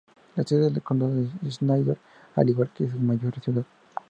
La sede del condado es Snyder, al igual que su mayor ciudad.